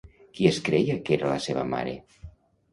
Qui es creia que era la seva mare?